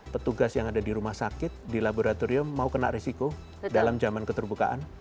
petugas yang ada di rumah sakit di laboratorium mau kena risiko dalam zaman keterbukaan